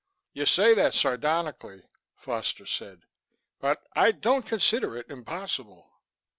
"You say that sardonically," Foster said. "But I don't consider it impossible."